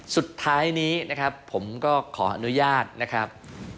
สุดท้ายนี้นะครับผมก็ขออนุญาตนะครับ